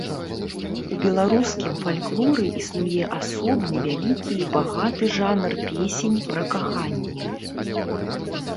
У беларускім фальклоры існуе асобны вялікі і багаты жанр песень пра каханне.